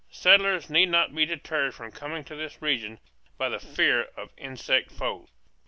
Settlers need not be deterred from coming to this region by the fear of insect foes.